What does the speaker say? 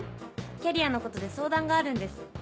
キャリアのことで相談があるんです」。